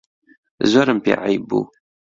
زۆرم پێ عەیب بوو